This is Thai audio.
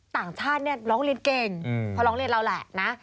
ต่างชาติเนี่ยร้องเรียนเก่งพอร้องเรียนเราแหละนะ